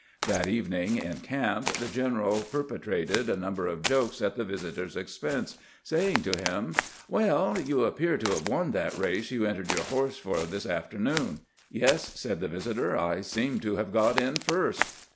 Tbat evening in camp tbe general perpetrated a num ber of jokes at tbe visitor's expense, saying to bim: "Well, you appear to bave won tbat race you entered your borse for tbis afternoon." " Yes," said tbe visitor ; "I seem to bave got in first."